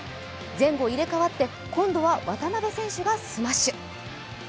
前後入れ代わって今度は渡辺選手がスマッシュ。